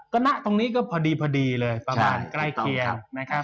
หน้าตรงนี้ก็พอดีเลยประมาณใกล้เคียง